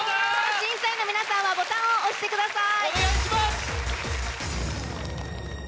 審査員の皆さんはボタンを押してください。